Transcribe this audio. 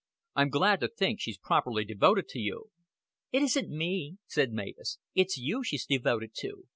I'm glad to think she's properly devoted to you." "It isn't me," said Mavis. "It's you she's devoted to.